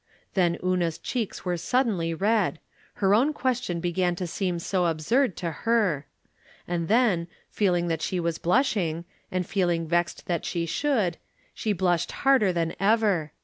Then Una's cheeks were suddenly red ; her own question began to seem so absurd to her. And then, feeling that she was blusliing, and feeling vexed that she should, she blushed harder than ever.